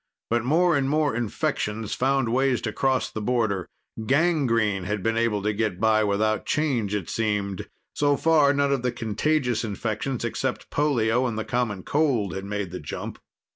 But more and more infections found ways to cross the border. Gangrene had been able to get by without change, it seemed. So far, none of the contagious infections except polio and the common cold had made the jump.